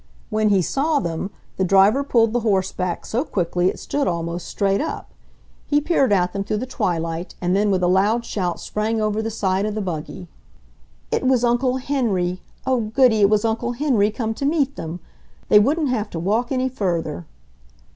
When he saw them the driver pulled the horse back so quickly it stood almost straight up. He peered at them through the twilight and then with a loud shout sprang over the side of the buggy. It was Uncle Henry—oh, goody, it was Uncle Henry come to meet them! They wouldn't have to walk any further!